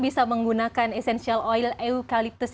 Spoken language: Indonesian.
bisa menggunakan essential oil eucalyptus